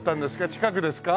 近くですか？